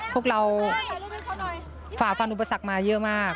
พวกเราฝ่าฟันอุปสรรคมาเยอะมาก